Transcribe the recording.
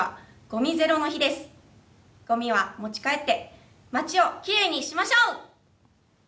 ごみは持ち帰って街をきれいにしましょう。